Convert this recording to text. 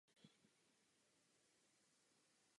Jeho válečná vyznamenání se nepočítají.